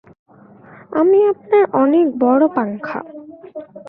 আমি আপনার অনেক বড় পাংখা।